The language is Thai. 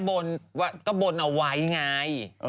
ก็แก้บนบนเอาไว้ไง